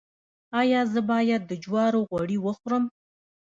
ایا زه باید د جوارو غوړي وخورم؟